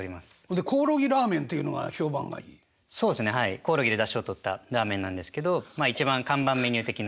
コオロギで出汁をとったラーメンなんですけど一番看板メニュー的な。